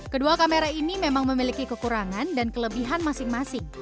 kedua kamera ini memang memiliki kekurangan dan kelebihan masing masing